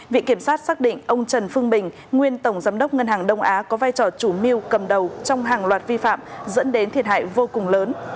viện kiểm sát xác định ông trần phương bình nguyên tổng giám đốc ngân hàng đông á có vai trò chủ mưu cầm đầu trong hàng loạt vi phạm dẫn đến thiệt hại vô cùng lớn